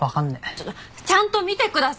ちょっとちゃんと見てください。